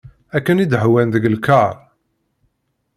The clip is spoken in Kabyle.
Akken i d-hwan deg lkar.